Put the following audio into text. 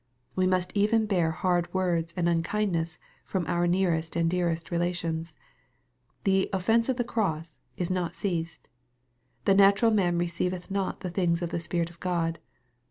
We must even bear hard words and unkindness from our nearest and dearest relations. The " offence of the cross" is not ceased. " The natural man receive th not the things of the Spirit of Clod."